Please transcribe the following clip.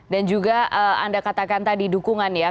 dan juga anda katakan tadi dukungan ya